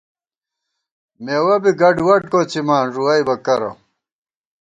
مېوَہ بی گڈوَڈ کوڅِمان، ݫُوَئیبہ کرہ